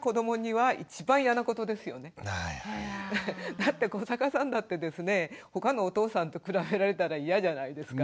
だって古坂さんだってですねほかのお父さんと比べられたらいやじゃないですか？